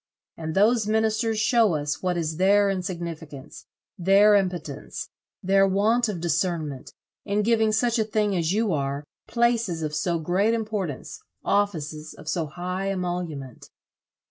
And those ministers show us what is their insignificance, their impotence, their want of discernment, in giving such a thing as you are, places of so great importance, offices of so high emolument."